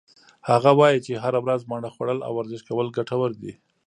هغه وایي چې هره ورځ مڼه خوړل او ورزش کول ګټور دي.